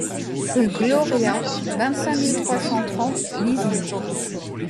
Rue Gloria, vingt-cinq mille trois cent trente Lizine